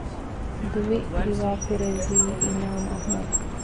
ދުވި ރިވާކުރެއްވީ އިމާމު އަޙްމަދު